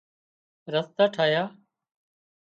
رستا ٺاهيا